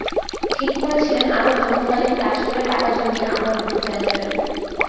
ঠিক করেছিলেন আরও খণ্ডকালীন কাজ করে টাকা জমিয়ে আবার ঘুরতে আসবেন।